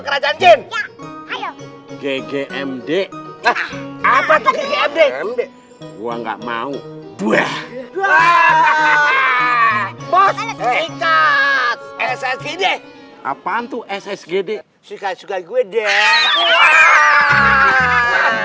kerajaan jin gg md apa tuh gue nggak mau buah hahaha bos sgd apaan tuh ssgd suka suka gue deh